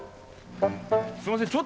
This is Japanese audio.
すいません